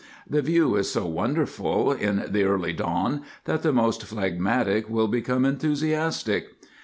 The view is so wonderful in the early Dawn that the most phlegmatic will become enthusiastic.